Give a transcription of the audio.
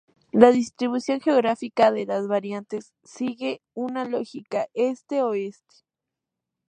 La distribución geográfica de las variantes sigue una lógica este-oeste.